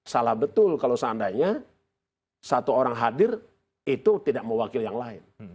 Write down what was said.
salah betul kalau seandainya satu orang hadir itu tidak mewakili yang lain